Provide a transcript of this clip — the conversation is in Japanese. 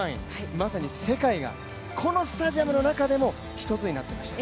まさに世界がこのスタジアムの中でも１つになっていました。